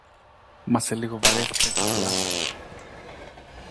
Μα σε λίγο βαρέθηκα και κουράστηκα